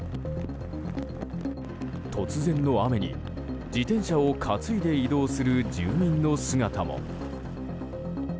突然の雨に自転車を担いで移動する住民の姿も。